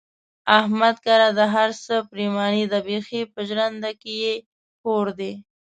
احمد کره د هر څه پرېماني ده، بیخي په ژرنده کې یې کور دی.